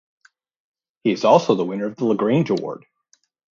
He is also the winner of the Lagrange Award.